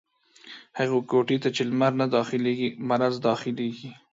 هغي کوټې ته چې لمر نه داخلېږي ، مرض دا خلېږي.